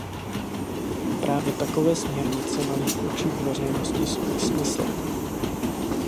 Právě takové směrnice mají v očích veřejnosti svůj smysl.